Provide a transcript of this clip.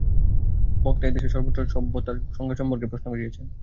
বক্তা এ-দেশের সর্বত্র সভ্যতার সংজ্ঞা-সম্পর্কে প্রশ্ন করিয়াছেন।